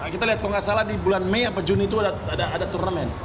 kita lihat kalau nggak salah di bulan mei atau juni itu ada turnamen